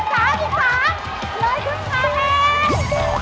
เปลี่ยนรูปเปลี่ยนมาก